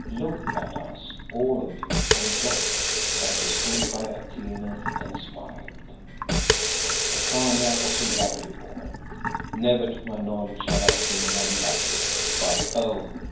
Look at us, all of you, and judge," and she stood by Atene and smiled. The Khania was a lovely woman. Never to my knowledge have I seen one lovelier, but oh!